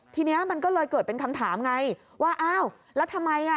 ทีนี้มันก็เลยเกิดเป็นคำถามไงว่าอ้าวแล้วทำไมอ่ะ